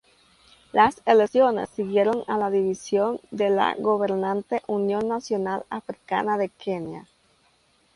Las elecciones siguieron a la división de la gobernante Unión Nacional Africana de Kenia.